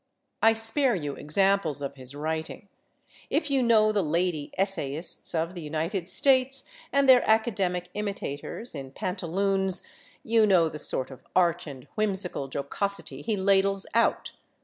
I spare you examples of his writing; if you know the lady essayists of the United States, and their academic imitators in pantaloons, you know the sort of arch and whimsical jocosity he ladles out.